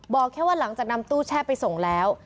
บอกแค่ว่าหลังจากนำตู้แช่ไปส่งแล้ว